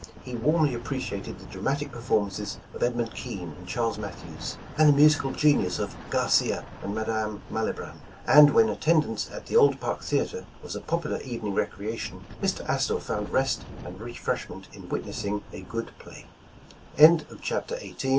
He warmly appreciated the dramatic performances of Edmund Kean and Charlea Mathews, and the musical genius of Garcia and Ma dame Malibran ; and when attendance at the old Park Theatre was a popular evening recreation, Mr. Astor found rest and refreshment in witnessing a good